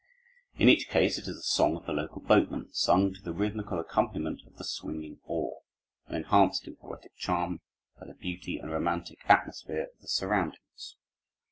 In each case it is the song of the local boatman, sung to the rhythmical accompaniment of the swinging oar, and enhanced in poetic charm by the beauty and romantic atmosphere of the surroundings.